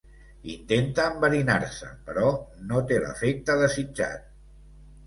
Intenta enverinar-se, però no té l'efecte desitjat.